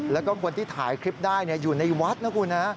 แล้วก็คนที่ถ่ายคลิปได้อยู่ในวัดนะคุณนะ